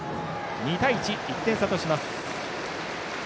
２対１と１点差とします。